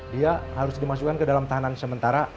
dia harus dimasukkan ke dalam tahanan sementara